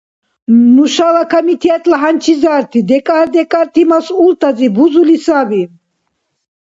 Нушала Комитетла хӀянчизарти декӀар-декӀарти масъултазиб бузули саби.